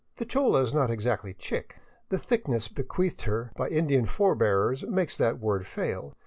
The chola is not exactly chic; the thicksetness bequeathed her by Indian forebears makes that word fail.